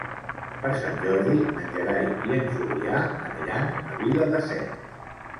Per Sant Jordi en Gerai i en Julià aniran a Viladasens.